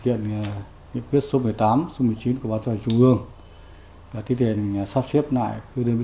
hiện nghiệp quyết số một mươi tám số một mươi chín của văn hóa thể thao trung hương thế thì mình sắp xếp lại các đơn vị